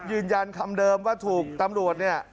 ยืนยันคำเดิมว่าถูกตำรวจเนี่ย